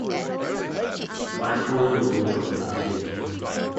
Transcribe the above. Microwaveable chocolate cake